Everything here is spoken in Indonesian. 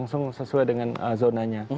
nggak semua langsung sesuai dengan zonanya